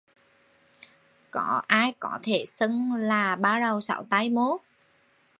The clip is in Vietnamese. Có ai có thể xưng là ba đầu sáu tay mô